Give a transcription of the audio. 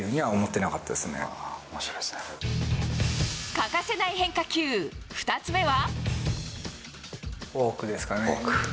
欠かせない変化球２つ目は。